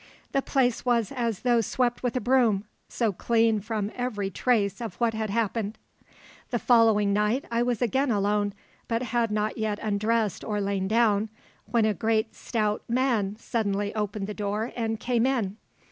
The place was as though swept with a broom, so clean from every trace of what had happened. "The following night I was again alone, but had not yet undressed or lain down, when a great stout man suddenly opened the door and came in.